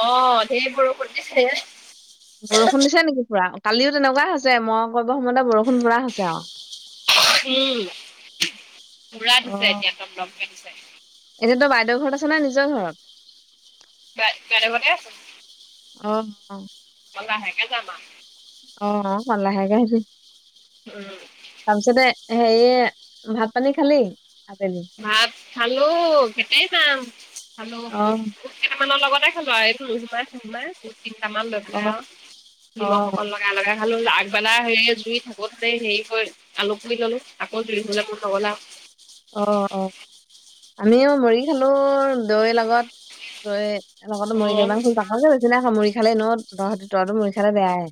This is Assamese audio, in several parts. অ ধেইবৰষুণ দিছে বৰষুণ দিছে নেকি পুৰা, কালিও তেনেকুৱা হৈছে মই কৰিব সময়তে বৰষুণ পুৰা হৈছে আও উম পুৰা দিছে একে একদম কে দিছে এতিযা টো বাইদেউ ঘৰত আছ নে, নিজৰ ঘৰত বা বাইদেউ যৰতে আছোঁ। অ অ লাহেকে জামআও অ অকণমান লাহেকে আহিবি। উম তাৰপিছতে হেৰিয়ে ভাত -পানী খালি আবেলি? ভাত খালো ভেটেই যাম খালো অ বুট বুট কেইটামানৰ লগতে খালো আৰু এইটো নোহোমাই চোহমাই দু তিনিটামান লৈ অ পেলাই আৰু অ নিমখৰ লগ লা লগা খালো আগবেলা সেই জুই থাকোতে হেৰি কৰি আলু পুই ললো আকৌ দুই হজাৰ নগলা অ অ আমিও মুৰি খালো দৈৰ লগত দৈ এ লগতো মুৰি অ', ইমান তাকলকে বছি আকৌ মুৰি খালে ন তহ তৰা মুৰি খালে বেয়াই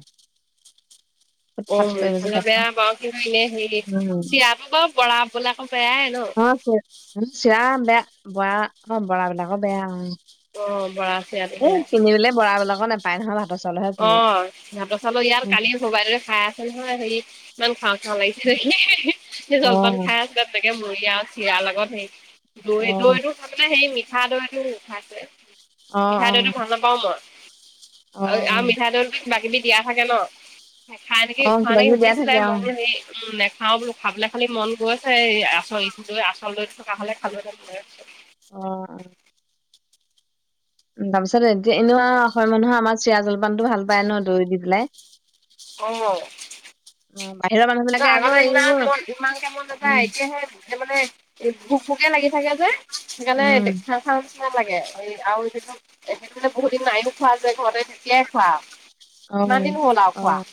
অ উৎপাত কৰিব যে এইফালে পাপা। বেয়া বাৰু, কিন্তু এনে হেৰি উম চিৰাটো বাৰু বৰা বোলে আকৌ বেয়াই ন অ চ চিৰা বেয়া বৰা অ বৰা বিলাকৰ বেয়া হয় অ', বৰা চিৰাটো এ বেয়া। কিনিবলে বৰাবিলাকৰ ন পাই নহয় ভাতৰ চাউলহে পিনে কবাইৰে খাই আছে নহয় হেৰি ইমান খাওঁ খাওঁ লাগিছে স জলপান অ', খাই আছে তেনেকে মুৰি আৰু চিৰাৰ লগত হেৰি দৈ অ', দৈটো মানে সেই মিঠা দৈটো, মিঠাই অ', মিঠা দৈটো অ', ভাল নাপাও মই আৰু অ', মিঠা দৈটো কিবাকিবি দিয়া থাকে ন খাই নেকি অ', কিবা কিবি দিয়া সুধিছিলে, থাকে অ', মই বুলো নাখাওঁ বুলো খাবলৈ খালি মন গৈছে, এই আচ আচল দৈ থকা হলে খালোহেতেন ম অ উ তাৰপিছততিয়া এনেুৱা অসমীয়া মানুহৰ আমাৰ চিৰা জলপানতটো ভাল পায় ন দৈ দি পেলাই [unintelligible] অ', বাহিৰা মানুহ বিলাকে অ', আকৌ আগতে ইমান এইবোৰ মন, ইমানকে মন নাযায়, উম, এতিয়াহে এতিয়া মানে এ ভোক ভোকেই লাগি থাকে যে, সেইকাৰণে উম, খা খাওঁ নিচিনা লাগে, এই আৰু যিটো, [unintelligible] বহুত দিন নায়ো খোৱা যে ঘৰতে, তেতিয়াই খোৱা। অ', কিমানদিন হ'ল আও খোৱা। অ',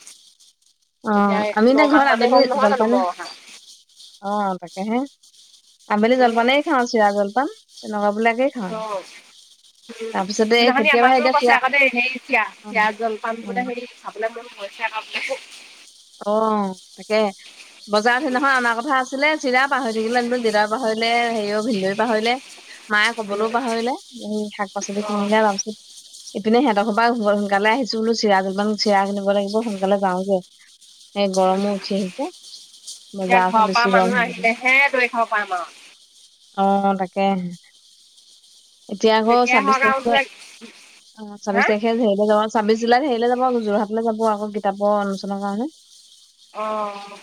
এতিয়া অ', আমি এতিয়া নমাহ ঘৰত মানেই আবেলি হ'ল নহয় জানো জলপান মই অহা অ', তাকেহে, আবেলি উম জলপানেই খাওঁ, চিৰা জলপান। তেনেকুৱা বিলাকেই খাওঁ। অ উম, তাৰপিছতে এই সেইদিনাখনি কেতিয়াবাহে এতিয়া আমাৰটোৱেই চিৰা কৈছে আকৌ দেই, হেই চিৰা অ', চিৰা জলপান অ', বোলে হেৰি খাবলে মন গৈছে আকৌ বোলে। অ', তাকে, বজাৰত সেইদিনাখন অনাৰ কথা আছিলে। চিৰা পাহৰি থাকিলোঁ অনিবলে, দেউতাইও পাহৰিলে, হেৰিও ভিনন্দৈও পাহৰিলে। মায়ে উম কবলৈও পাহৰিলে, শাক পাচলি অ উম কিনিলে তাৰপিছত। ইপিনে সিহঁতৰ ঘৰৰ পৰা সোনকালে আহিছোঁ বোলো, চিৰা জলপান, চিৰা কিনিব লাগিব, সোনকালে যাওঁগে। সেই গৰমো উঠি আহিছে, এতিয়া বজাৰ ঘৰৰ আছে পৰা বেছি মানুহ গৰম হ'বগে। আহিলেহে দৈ খাব পাম আৰু অ', তাকেহে। এতিয়া আকৌ যেতিয়াই ছাব্বিশ হওক আৰু তাৰিখে, বোলে অ', হা ছাব্বিশ তাৰিখে [unintelligible] ছাব্বিছ জুলাইত হেৰিলৈ যাব, যোৰহাটলৈ যাব, আকৌ কিতাপৰ অনুষ্ঠানৰ কাৰণে। অহ।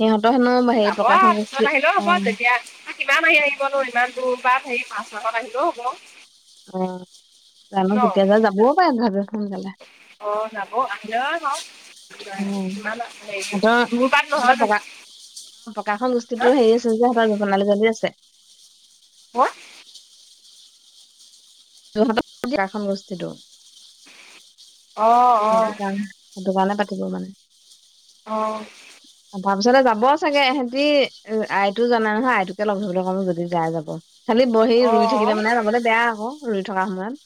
সিঁহতৰ যাব আৰু, পিছত আহিলেও হ'ব তেতিয়া। কিমান আহি আহিবনো, ইমান দূৰ বাট হেৰি মাৰ্চ মাহত আহিলেও হ'ব। অ', জানো ন কেতিয়া যায়? যাবও পাৰে ঘৰলে সোনকালে। অ', যাব, আহিলেও আহক। [unintelligible] উম ইমান হেৰি, দূৰ বাট নহয় জানো? অ', প্ৰকাশৰ হা গোষ্ঠীতো হেৰি আছে যে, সিহঁতৰ ঘোষণা চলি আছে [unintelligible] যোৰহাটৰ [unintelligible] গোষ্ঠীটো, অঁ সেইটো কাৰণে সেইতো কাৰণে পাতিব মানে। অহ। হয় তাৰ পিছতে যাব চাগে এহেতি, আইটু জানাই নহয়? আইটুকে লগ ধৰিবলৈ কম, যদি যাই যাব। খালি ব হেৰি অঁ ৰুই থাকিলে মানে যাবলৈ বেয়া আকৌ, ৰুই থকা সময়ত।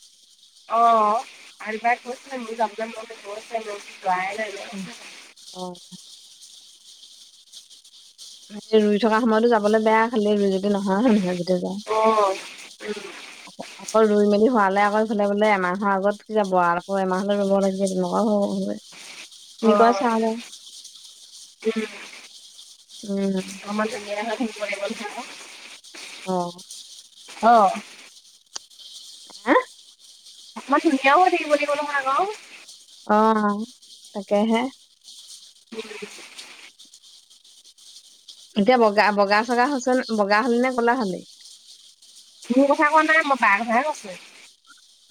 অ', আইটু বাই কৈছিলে মোৰ যাবলে মন গৈছে, মই যোৱাই নাই। ন উম, অহ। ৰুই থকা সময়তো যাবলৈ বেয়া, খালি ৰুই যদি নহয়, হয়নে নহয়? যেতিয়া যাওঁ। অঁ [inaudible] আকৌ ৰুই মেলি হোৱালে আকৌ ইফালে বোলে এমাহৰ আগত যাব, আকৌ এমাহলৈ ৰ'ব লাগে তেনেকুৱা হ'ব হয়। কি কয় অ', চাওঁ বাৰু উম। উম। [inaudible] অ'। অহ। হে অকমান ধুনীয়াও হৈ থাকিব লাগিব নহয় আকৌ অ তাকেহে উম এতিয়া বগা বগা চগা হৈছে নে বগা হলি নে ক'লা হলি মোৰ কথা কোৱা নাই মই বাৰ কথাহে কৈছো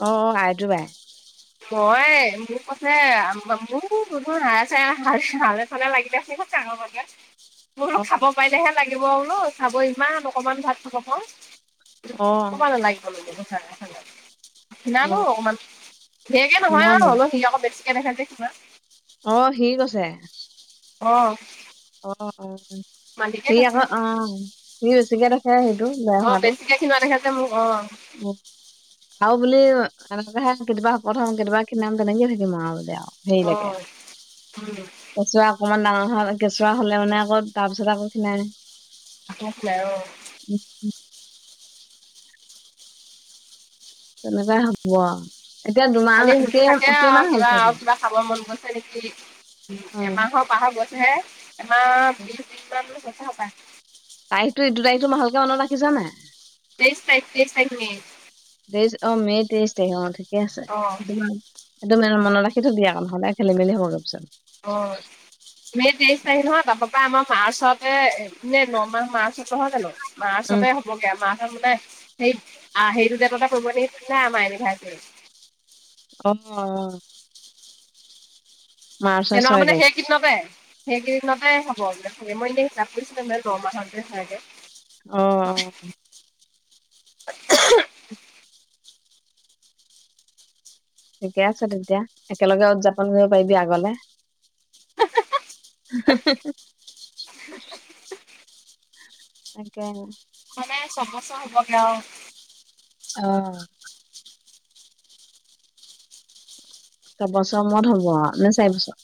অ অ আৰতী বাই মই মোক কৈছে মোৰ বুলো হাৰে চাৰে হালে চালে লাগি আছে চাক বগে [inaudible] বোলো খাব পাৰিলেহে লাগিব বোলো চাব ইমান অকমান ভাত খাব পাৰো অ কবা ললা এইকেইখন লাগে চাগে অ ক্ষীণালো অকমান ধেইকে নহয় আও হলো সি আকৌ বেছিকে দেখে যে কিবা অ সি কৈছে অ অ অ অ মালিকে সি কৈছে আকৌ অহ সি বেছিকে দেখে সেইটো বেয়া অ হোৱাতো বেছিকে খীনোৱা দেখা যে মোক অ মোক আৰু বুলি এনেকেহে কেতিয়াবা শকত হম কেতিয়াবা ক্ষিণাম তেনেকে থাকিম আৰু বুলি আও সেই অ লাগে উম কেঁচুৱা অকণমান ডাঙৰ হলে কেঁচুৱা হ'লে মানে আকৌ তাৰপিছত আকৌ ক্ষিনাই আকৌ ক্ষিণাই অ উম উম তেনেকাই হ'ব আও এতিয়া দুমাহ খালি সুধি কেই থাকে আৰু কেইমাহ কিবা হৈছে আৰু তোমাৰ কিবা খাব মন গৈছে নেকি উ অ এমাহৰ পাৰ হৈ গৈছেহে এমাহ বিশ দিন মান হৈছৈ হপাই তাৰিখতো ইটো তাৰিখতো ভালকে মনত ৰাখিছা নাই তেইশ তাৰিখ তেইশ তাৰিখ মে' তেইশ অ মে তেইশ তাৰিখ অ ঠিকে আছে অ সেইটো মাহ এইটো মে মনত ৰাখি থবি আও নহলে খেলি মেলি হ'বগে পিছত অ মে তেইশ তাৰিখ নহয় তাৰপা পাই আমাৰ মাৰ্চতে এ নমাহ মাৰ্চত নহয় জানো উম মাৰ্চতে হ বগে মাহটোত মানে সেই আ সেইটো ডেটতে পৰিব নেকি ঠিক নাই আমাৰ এনিভাৰছেৰি অ অ মাৰ্চৰ সেনকা ছয় মানে তাৰিখ সেই সেইদিনতে সেইকেইদিনতে হ'ব চাগে মই এনেই হিচাপ কৰিছিলো মানে নমাহতে হয়গে অ অ এহে ঠিকে আছে তেতিয়া একেলগে উদযাপন কৰিব পাৰিবি আগলে হু হু তাকে মানে ছবছৰ হ'বগে আও অ ছবছৰ মূৰত হব আও নে চাৰি বছৰ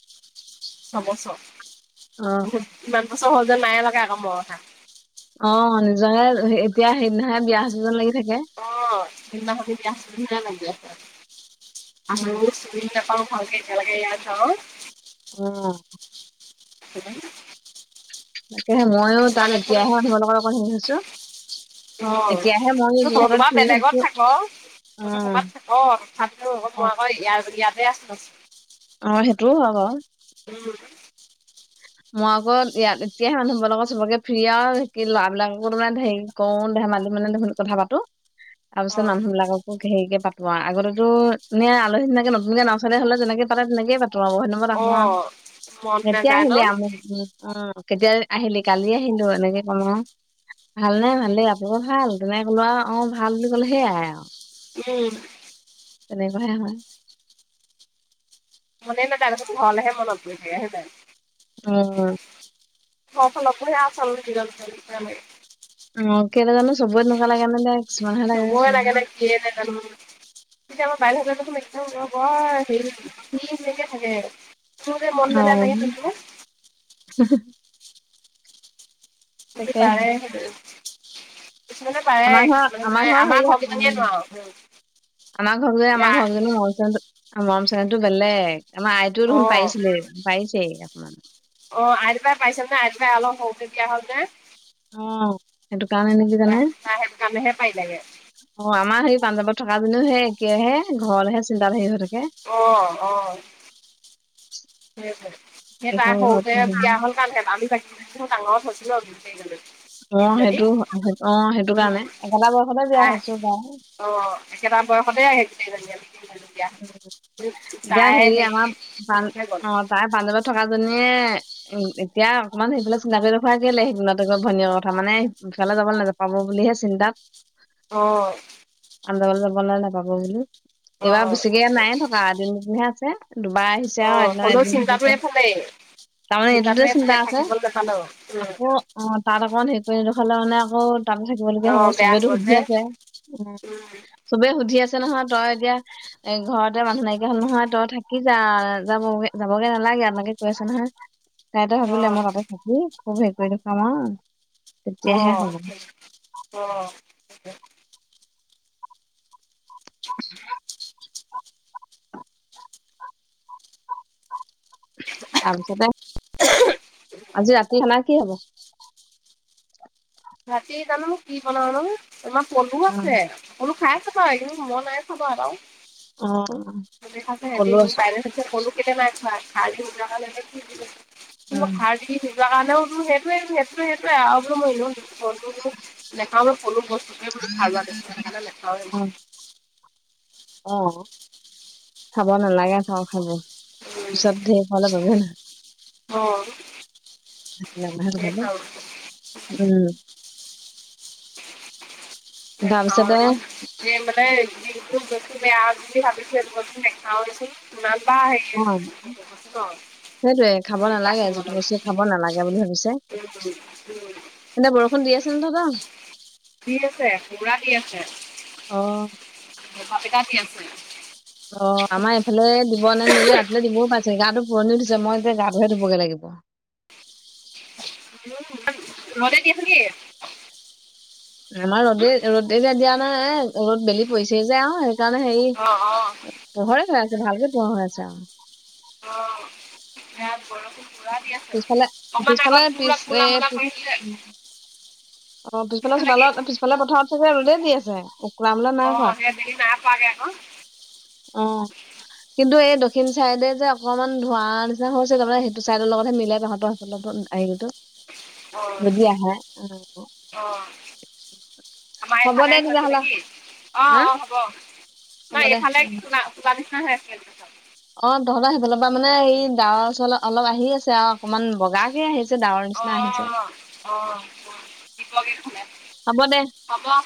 অ ছবছৰ ইমান বছৰ হল যেন নায়ে লগা আকৌ মই অহা অ নিজৰে এতিয়া হেদিনাহে বিয়া হৈছে যেন লাগি থাকে। অঁ সেইদিনাখন বিয়া হৈছে নিচিনাই লাগি আছে। উম [unintelligible] চিনি নাপাওঁ ভালকে এতিয়ালেকে [unintelligible] উম। [unintelligible] তাকেহে ময়ো তাত কিছুমানে দেখোন এতিয়াহে [unintelligible] লগত অকন হেৰি হৈছোঁ। অঁ [unintelligible] বাও ফ্ৰী বেলেগত হৈছো থাক। তহঁতে উম ক'বাত থাক তথাপিও অ মই আক ইয়াৰ ইয়াতে আছিলো। অ সেইটোও হয় বাও। উম। মই আকৌ ইয়াত এতিয়াহে মানুহবোৰৰ লগত চবকে ফ্ৰী আও স কি ল'ৰা বিলাককো তোমাৰ হেৰি কও ধেমালি মানে দেখুন কথা পাতো তাৰপিছত অ', মানুহ বিলাকক ক হেৰিকে পাতো আও, আগতেটো এনে আলহী নিচিনাকে নতুনকে নছোৱালী হলে যেনেকে পাতে তেনেকেই পাতো। তোমাৰ বহু দিনৰ মুৰত আহোঁ আও, অ', মন কেতিয়া নাযায় ন? আহিলি অ কেতিয়া আহিলি কালি আহিলো এনেকে কম আও। ভালনে? ভালেই আপোনালোকৰ ভাল? তেনেকে কলো আও, অঁ ভাল বুলি ক'লে সেয়াই আও। উম। তেনেকুৱাহে হয়। মনে নাযায় তাৰপিছত ঘৰলেহে মনত পৰি থাকে, হয় নাই? উম। ঘৰখনৰটোহে আচল [unintelligible] অ কেলে জানো? সবৰে তেনেকুৱা লাগেনে নাই? সবৰে লাগে নে কিয়ে নে জানো? এতিয়া আমাৰ বাই হঁতৰ দেখোন একদম বৰ হেৰি ফ্ৰী যেনকে থাকে। তোৰ যে মন নাযায় তেনেকে থাকিবনে? অঁ [unintelligible] সিহঁতি তাকে পাৰে সেইটো। কিছুমানে পাৰে আমাৰ ঘৰ কিছুমানে নোৱাৰে আমাৰ ঘৰৰ হেৰি ঘৰকেইজনীয়ে উম্। নোৱাৰো। আমৰ ঘৰত যে এয়া আমৰ ঘৰ যে [unintelligible] আৰু মৰম চেনেহতো বেলেগ, আমাৰ আইটোও দেখোন অ', পাৰিছিলেই পাৰিছেই অকমান। অ আই দেউতাই পৰিছে মানে আই দেউতাই অলপ সৰুতে বিয়া হ'ল নে। অঁ সেইটো কাৰণে নেকি জানে। সেইটো কাৰণেহে পাৰিলেগে অ আমাৰ সেই পাঞ্জাৱত থকা জনীও হে একেহে ঘৰলেহে চিন্তাত ধেই হৈ থাকে। অ অ। সেইটোৱে, সেই তাই এইখন ঘৰত সৰুতে বিয়া হ'ল [unintelligible] [unintelligible] অ তিনিজনী সেইটো অ সেইটো কাৰণে উম, একেটা বয়সতে বিয়া তাই হৈছো বাও। অ একেটা বয়সতে আহে গোটেই [unintelligible] এতিয়া তাই হেৰি আমাৰ পান সৰুতে গ'ল। অ' তাই পাঞ্জৱত থকা জনীয়ে উম এতিয়া অকণমান সেইফাল চিনাকি দখুৱাই কেলেই সেইদিনাত আক ভনীয় কথা মানে সেইফালে যাব নাযা পাব বুলিহে চিন্তাত। অঁ। আন্দামান যাবলে নেপাব বুলি। অঁ। এতিয়া নাই থকা দিনটোহে আছে দুবাৰ আহিছে আও অ' এদিনত হ'লেও এদিন চিন্তাটো এইফালেই [inaudible] তাৰ মানে এইটো চিন্তাটো তে চিন্তা এইফালে আছে থাকিবলৈ নাপালোঁ উম, আকৌ, অ তাত অকণ হেৰি কৰি দেখালে মানে আকৌ তাৰ পাছত, ল হব অ' বেয়া চবেইতো সুধি যে আছে উ উম, চবে সুধি আছে নহয় তই এতিয়া। এই ঘৰতে মানুহ নাইকিয়া হ'ল নহয় তই থাকি যা যাবগ যাবগে নালাগে আপোনালোকে কৈ আছে নহয়। তাইতো ভাবিলে অ' মই তাতে থাকি খুব হেৰি কৰি দেখাম আৰু তেতিয়াহে হ'ব। অ' অ তাপিছতে, আজি ৰাতি খানা কি হব। ৰাতি জানো কি বনাও নো আমাৰ পলু অ আছে। পলু খাই আছ তই কিন্তু মই নাই খোৱা বাও এটাও, [unintelligible] [unintelligible] অ আহা কলো আছো হেইটোৱ হেত হেইটোৱে আ‌ৰু মইনো এনেও, সলো নেখাও মে সকলো বস্তুতোৱে বান ভাল লাগেছে সেইকাৰণে লেখাওৱে, অ অ খাব নালাগে খওঁ খাব উম, পিছত ধেৰ হলে ভাবে নহয়, অ, তেনে ভাল সেয়ে কথা খাওঁ উম, তাৰপিছতে [unintelligible] যে মানে যিহটো বস্তু বেয়া বুলি ভাবিছো এই বস্তু নেখাও দিয়া চোন। নলা অ' আহ, সেইটোয়ে খাব নালাগে যিটো বস্তু খাব নালাগে বুলি ভাবিছে। [unintelligible] এনে বৰষুণ দি আছিল তহত, দি আছে পোৰা দি আছে। অ, দবা পিটা দি আছে। অ আমাৰ এইফালে দিব নে নিদেয়ছ ৰাতি দিবও পাই যে গাটো। বন দিছ মই এতিয়া গা ধুৱে ধুবগৈ লাগিব। ৰদে দি আছে নেকি। আমাৰ ৰ'দে ৰ'দে যে দিয়া নাই ৰ'দ বেলি পৰিছে যে আৰু তণে হেৰি অ অ অ পোহৰে হৈ আছে ভালকে পুহৰ হৈ আছে আও, অ এয়াত বৰষুণ। পুৰা দি আছে পিছফালে অকমান পিছফালে আগত পিছ পোৰা এ কোলা মোলা পিছ কৰি আনিছিলে। [inaudible] অ পিছফালে চোতালত পিছফালে পথাৰত থাকে ৰদে দি আছে উ কোলা মোলা অ নাই কোৱা। সেই বেলি নাই পোৱাগে আকৌ অ কিন্তু এই দক্ষিণ চাইডে যে অকমান ধোঁৱা নিচিনা হৈছে তে সেইটো, ত চাইদৰ লগতহে মিলাই তাহহতৰ লগত আহি গলো। অ যদি আহে। অ আমাৰ হ'ব এইফালে দে আছে তেতিয়াহ'লে নেকি অ হা অ হ'ব ন হ'ব দে এইফালে উম। শুনা, কোলা নিচিনা হৈ আছিলে। অ তহঁতৰ সিফালৰ পৰা মানে এই ডাৱৰ চওৰ অলপ আহি আছে আৰু অকনমান বগা কে আহিছে। ডাৱৰ অ নিচিনা আহিছে। অ [unintelligible] হ'ব দে। হব।